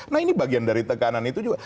nah ini bagian dari tekanan itu juga